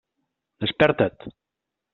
Desperta't!